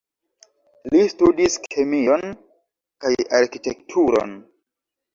Li studis kemion kaj arkitekturon.